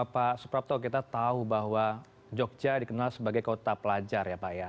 pak suprapto kita tahu bahwa jogja dikenal sebagai kota pelajar ya pak ya